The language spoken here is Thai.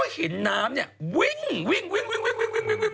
ปลาหมึกแท้เต่าทองอร่อยทั้งชนิดเส้นบดเต็มตัว